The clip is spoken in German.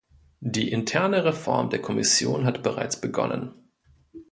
Die interne Reform der Kommission hat bereits begonnen.